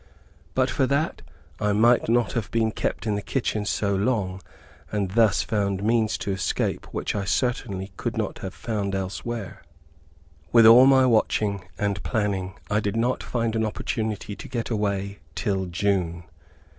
But for that, I might not have been kept in the kitchen so long, and thus found means to escape which I certainly could not have found elsewhere. With all my watching, and planning I did not find an opportunity to get away till June.